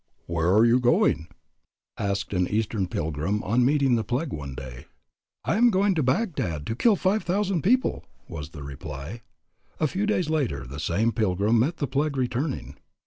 "Where are you going?" asked an Eastern pilgrim on meeting the plague one day. "I am going to Bagdad to kill five thousand people," was the reply. A few days later the same pilgrim met the plague returning.